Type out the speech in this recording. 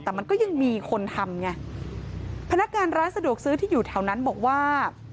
แต่มันก็ยังมีคนทำไงพนักงานร้านสะดวกซื้อที่อยู่แถวนั้นบอกว่า